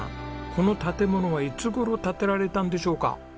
この建物はいつ頃建てられたんでしょうか？